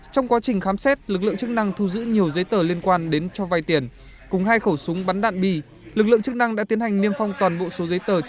trong quá trình khám xét lực lượng chức năng thu giữ nhiều giấy tờ liên quan đến cho vai tiền cùng hai khẩu súng bắn đạn bi lực lượng chức năng đã tiến hành niêm phong toàn bộ số giấy tờ